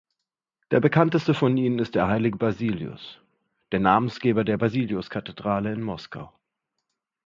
Der bekannteste von ihnen ist der Heilige Basilius, der Namensgeber der Basiliuskathedrale in Moskau.